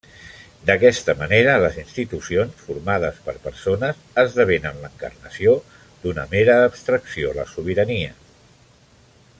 D'aquesta manera les institucions —formades per persones— esdevenen l'encarnació d'una mera abstracció, la Sobirania.